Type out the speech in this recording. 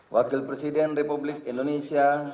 wakil presiden republik indonesia